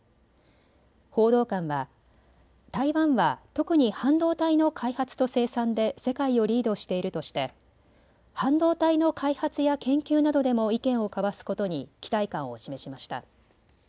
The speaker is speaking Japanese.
報道官は台湾は特に半導体の開発と生産で世界をリードしているとして半導体の開発や研究などでも意見を交わすことに期待感を示しました。